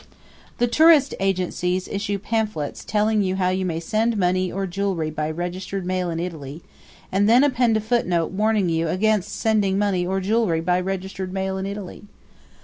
The tourist agencies issue pamphlets telling how you may send money or jewelry by registered mail in Italy, and then append a footnote warning you against sending money or jewelry by registered mail in Italy.